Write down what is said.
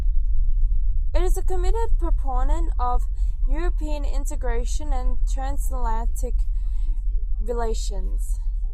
It is a committed proponent of European integration and transatlantic relations.